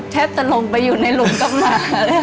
แทบจะลงไปอยู่ในหลุมกลับมา